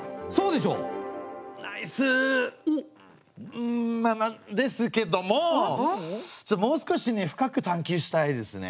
うんまあまあですけどももう少しね深く探究したいですね。